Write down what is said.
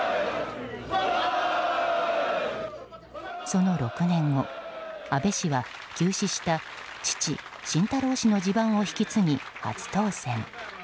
その６年後、安倍氏は急死した父・晋太郎氏の地盤を引き継ぎ初当選。